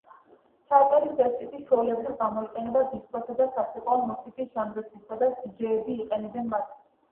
ჩანაწერის ეს ტიპი, ჩვეულებრივ, გამოიყენება დისკოსა და საცეკვაო მუსიკის ჟანრებში, სადაც დიჯეები იყენებენ მათ.